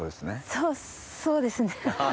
そそうですね。